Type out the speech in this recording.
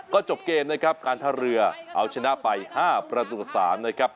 ก็จบเกมนะครับการท่าเรือเอาชนะไป๕ประตูต่อ๓นะครับ